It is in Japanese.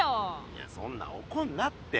いやそんなおこんなって。